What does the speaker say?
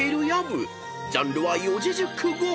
［ジャンルは「四字熟語」］